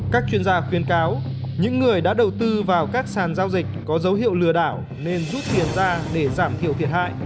các chuyên gia khuyên cáo những người đã đầu tư vào các sàn giao dịch có dấu hiệu lừa đảo nên rút tiền ra để giảm thiểu thiệt hại